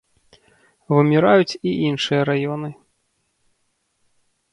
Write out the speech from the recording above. Выміраюць і іншыя раёны.